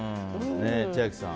千秋さん。